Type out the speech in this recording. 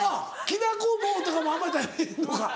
きなこ棒とかもあんまり食べへんのか。